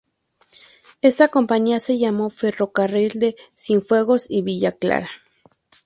Esa compañía se llamó Ferrocarril de Cienfuegos y Villa Clara.